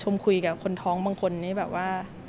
คุยกับคนท้องบางคนนี้แบบว่า